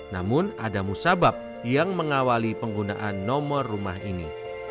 namun ada musabab yang mengawali penggunaan nomor rumah ini